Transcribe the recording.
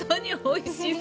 おいしい。